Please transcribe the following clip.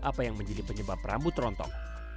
apa yang menjadi penyebab rambut rontok